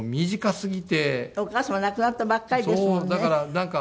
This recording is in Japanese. お母様亡くなったばっかりですもんね。